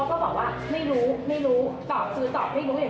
เสร็จแล้วถามว่าทำทีกอีกครั้งแล้วทีกไปอีกครั้ง